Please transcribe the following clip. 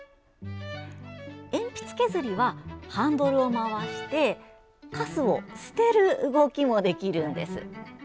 鉛筆削りは、ハンドルを回してカスを捨てる動きまで！